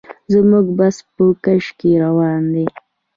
زموږ بس په کش کې روان دی.